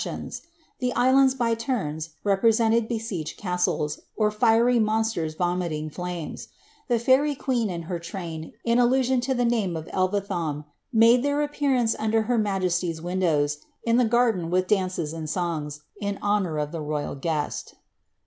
'hion^j ilie islanJ^ t_r lurji3 represented be iegpd castlen, ur hirv monsters voniiiint; Sima The fairy queen and her tram, in allusion lo ihe name of EIvciliaiE, made their appearanre under her !naje=t>'s windows, in the garden "iili dances and songs, m honour of the rojal guest.